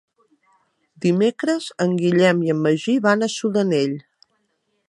Dimecres en Guillem i en Magí van a Sudanell.